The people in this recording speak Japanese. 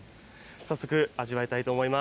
早速味わいたいと思います。